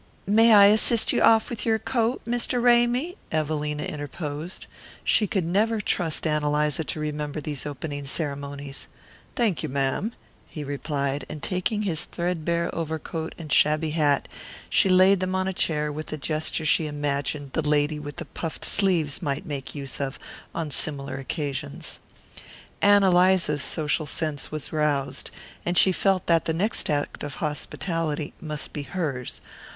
"May I assist you off with your coat, Mr. Ramy?" Evelina interposed. She could never trust Ann Eliza to remember these opening ceremonies. "Thank you, ma'am," he replied, and taking his thread bare over coat and shabby hat she laid them on a chair with the gesture she imagined the lady with the puffed sleeves might make use of on similar occasions. Ann Eliza's social sense was roused, and she felt that the next act of hospitality must be hers.